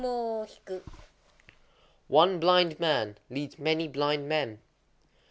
_ One blind man leads many blind men.